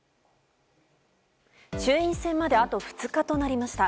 衆院選まであと２日となりました。